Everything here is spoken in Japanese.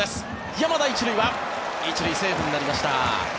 山田、１塁はセーフになりました。